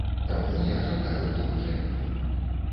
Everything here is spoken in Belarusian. Таму я чакаю тлумачэнняў.